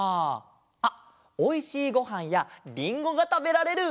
あっおいしいごはんやりんごがたべられる！